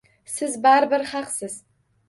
Siz baribir haqsiz.